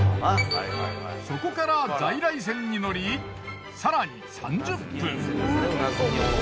そこから在来線に乗り更に３０分。